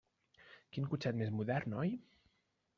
Quin cotxet més modern, oi?